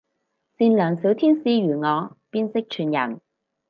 善良小天使如我邊識串人